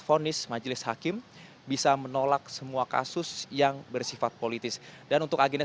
vonis majelis hakim bisa menolak semua kasus yang bersifat politis dan untuk agenda